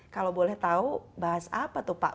kalau boleh tahu bahas apa tuh pak